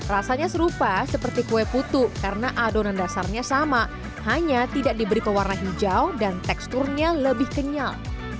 rasanya serupa seperti kue putu karena adonan dasarnya sama hanya tidak diberi pewarna hijau dan teksturnya lebih kenyal